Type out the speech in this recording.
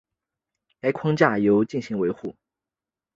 该框架主要由进行维护。